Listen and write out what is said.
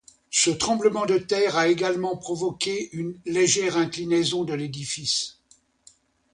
Ce tremblement de terre a également provoqué une légère inclinaison de l'édifice.